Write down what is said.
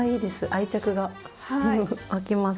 愛着が湧きます。